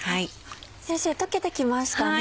先生溶けてきましたね。